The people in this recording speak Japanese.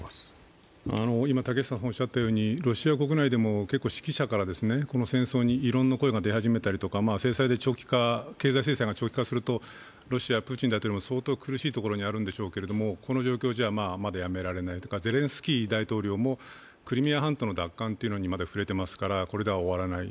ロシア国内でも指揮者からこの戦争に異論の声が出始めたりとか、戦争の長期化、経済制裁が長期化するとロシア、プーチン大統領が相当苦しいところにあるんでしょうけれども、この状況じゃまだやめられないとか、ゼレンスキー大統領もクリミア半島の奪還にふれていますからこれでは終わらない。